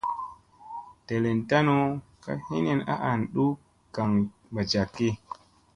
Delen tanu ka hinin a an duu gagaŋ mbaa jakki.